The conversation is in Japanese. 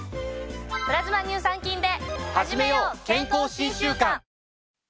プラズマ乳酸菌で。